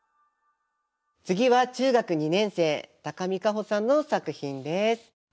次は中学２年生見香帆さんの作品です。